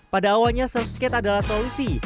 pada awalnya surfskate adalah solusi